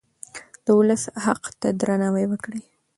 د ولس حق ته درناوی وکړئ.